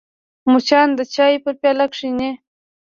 مچان د چای پر پیاله کښېني